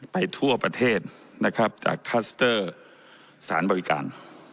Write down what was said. ทั่วประเทศนะครับจากคัสเตอร์สารบริการ